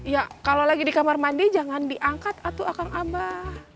ya kalau lagi di kamar mandi jangan diangkat atau akang abah